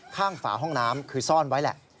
ฝาห้องน้ำคือซ่อนไว้แหละ